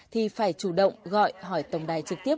thì phải chủ động gọi hỏi tổng đài trực tiếp